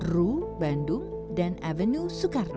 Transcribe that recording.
ru bandung dan avenue soekarno